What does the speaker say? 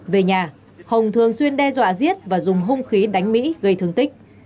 về nhà hồng thường xuyên đe dọa giết và dùng hung khí đánh mỹ gây thương tích